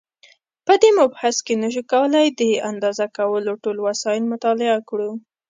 په دې مبحث کې نشو کولای د اندازه کولو ټول وسایل مطالعه کړو.